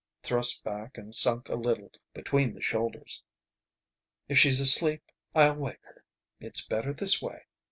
Thrust back and sunk a little between the shoulders. "If she's asleep, I'll wake her. It's better this way.